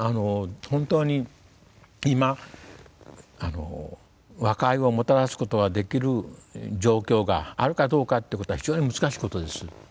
本当に今和解をもたらすことができる状況があるかどうかってことは非常に難しいことです。